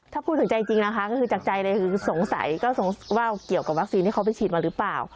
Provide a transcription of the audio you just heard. ถ้าพูดถึงใจจริงนะคะก็คือจากใจเลยคือสงสัยก็สงสัยว่าเกี่ยวกับวัคซีนที่เขาไปฉีดมาหรือเปล่า